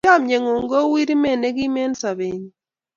Chomye ng'ung' kou irimet ne kim eng' sobenyu.